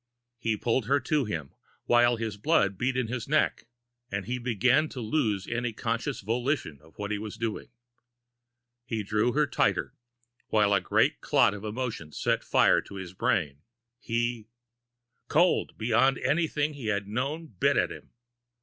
He pulled her to him, while his blood beat in his neck, and he began to lose any conscious volition of what he was doing. He drew her tighter, while a great clot of emotion set fire to his brain. He Cold beyond anything he had known bit at him.